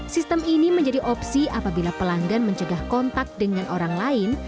sistem ini menjadi opsi apabila pelanggan mencegah kontak dengan orang lain